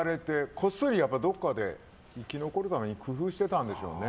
こっそり、どこかで生き残るために工夫してたんでしょうね。